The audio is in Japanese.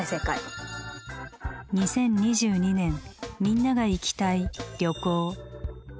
２０２２年みんなが行きたい「旅行」。